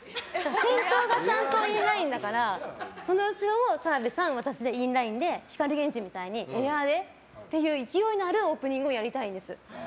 先頭がちゃんとインラインだからその後ろもちゃんとインラインで澤部さん、私でインラインで光ＧＥＮＪＩみたいに勢いのあるオープニングをやりたいんですよ。